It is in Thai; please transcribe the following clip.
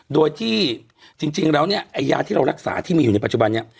โดยที่จริงแล้วเนี่ยไอ้ยาที่เรารักษาที่มีอยู่ในปัจจุบันนี้